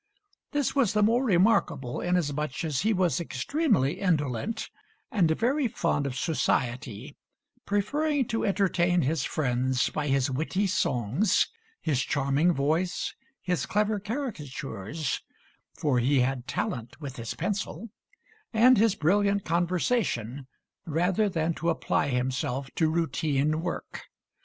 This was the more remarkable inasmuch as he was extremely indolent and very fond of society, preferring to entertain his friends by his witty songs, his charming voice, his clever caricatures for he had talent with his pencil and his brilliant conversation, rather than to apply himself to routine work.